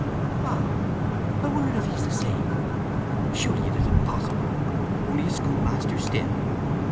"Ah! I wonder if he's the same. Surely it is impossible! Only a schoolmaster still!